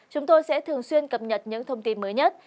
chúng tôi sẽ thường xuyên cập nhật những thông tin mới nhất